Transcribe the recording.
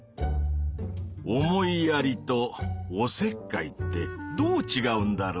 「思いやり」と「おせっかい」ってどうちがうんだろうねぇ？